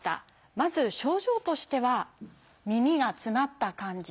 まず症状としては耳が詰まった感じ